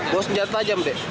bos jatuh tajam dek